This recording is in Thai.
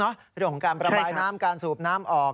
เรื่องของการประบายน้ำการสูบน้ำออก